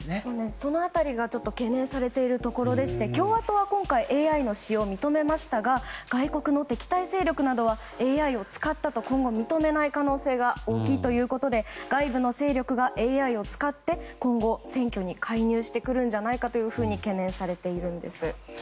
その辺りが懸念されているところでして共和党は今回ＡＩの使用を認めましたが外国の敵対勢力などはＡＩを使ったと今後、認めない可能性が大きいということで外部勢力がＡＩを使って今後、選挙に介入してくるのではないかと懸念されているんです。